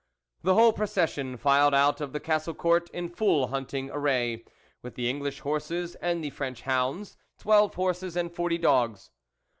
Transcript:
The whole procession filed out of the castle court in full hunting array, with the English horses and the French hounds ; twelve horses, and forty dogs.